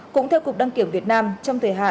cũng theo cục đăng kiểm việt nam trong thời hạn không quá